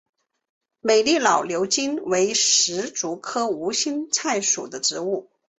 美丽老牛筋为石竹科无心菜属的植物。